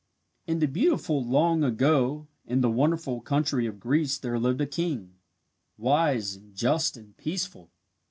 In the beautiful long ago, in the wonderful country of Greece there lived a king, wise and just and peaceful.